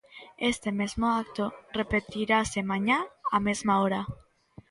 Este mesmo acto repetirase mañá á mesma hora.